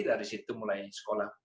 dari situ mulai sekolah